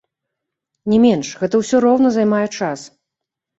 Не менш, гэта ўсё роўна займае час!